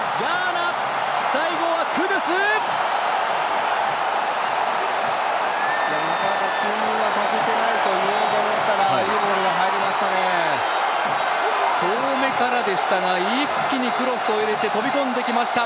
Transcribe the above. なかなか進入はさせてないと思ったら遠めからでしたが一気にクロスを入れて飛び込んできました